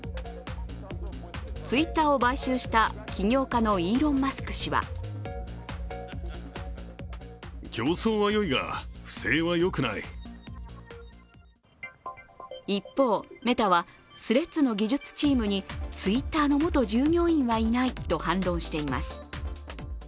Ｔｗｉｔｔｅｒを買収した起業家のイーロン・マスク氏は一方、メタはＴｈｒｅａｄｓの技術チームにＴｗｉｔｔｅｒの元従業員はいないと反論しています。